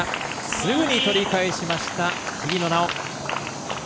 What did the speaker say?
すぐに取り返しました日比野菜緒。